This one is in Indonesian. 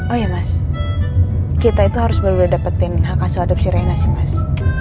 oh iya mas kita itu harus berdua dapetin hak asal adopsi reina sih mas